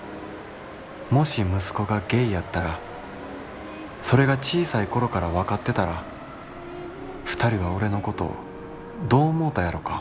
もし息子がゲイやったらそれが小さい頃から分かってたら二人は俺のことどう思うたやろか？」。